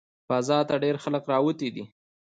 بازار ته ډېر خلق راوتي دي